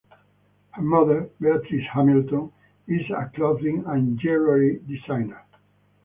Her mother, Beatrice Hamilton, is a clothing and jewelry designer.